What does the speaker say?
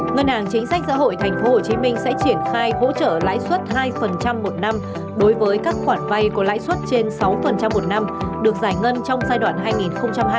ngân hàng chính sách xã hội tp hcm sẽ triển khai hỗ trợ lãi suất hai một năm đối với các khoản vay có lãi suất trên sáu một năm được giải ngân trong giai đoạn hai nghìn một mươi sáu hai nghìn hai mươi